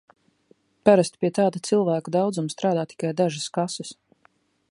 Parasti pie tāda cilvēku daudzuma strādā tikai dažas kases.